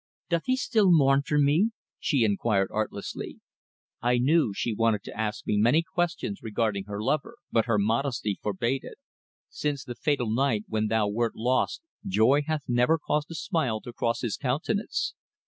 "Doth he still mourn for me?" she inquired artlessly. I knew she wanted to ask me many questions regarding her lover, but her modesty forbade it. "Since the fatal night when thou wert lost joy hath never caused a smile to cross his countenance.